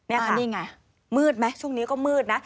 นี่ค่ะนี่ไงมืดไหมช่วงนี้ก็มืดนะ